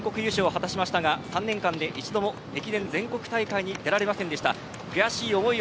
チームは全国優勝を果たしましたが３年間で一度も駅伝全国大会に出られませんでした。